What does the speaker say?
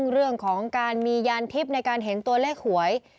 เรื่องของการมียานทิพย์ในการเห็นตัวเลขหวย